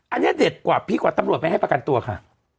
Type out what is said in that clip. อันนี้เด็ดกว่าพี่กว่าตำรวจไม่ให้ประกันตัวค่ะ